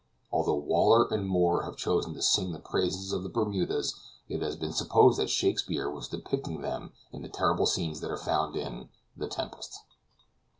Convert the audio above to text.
Although Waller and Moore have chosen to sing the praises of the Bermudas, it has been supposed that Shakspeare was depicting them in the terrible scenes that are found in 'The Tempest.'"